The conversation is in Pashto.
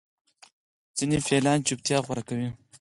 ځینې فعالان چوپتیا غوره کوي.